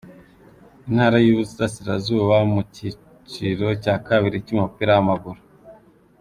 Intara y’Uburasirazuba mu cyiciro cya kabiri cy’umupira w’amaguru